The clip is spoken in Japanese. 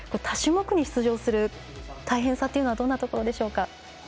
多種目に出場する大変さはどういったところでしょうか。